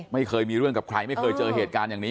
ไม่เคยมีเรื่องกับใครไม่เคยเจอเหตุการณ์อย่างนี้